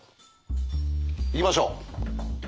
行きましょう。